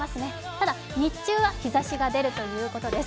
ただ日中は日ざしが出るということです。